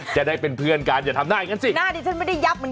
จะได้เป็นเพื่อนกันอย่าทำหน้าอย่างนั้นสิหน้าดิฉันไม่ได้ยับเหมือนกัน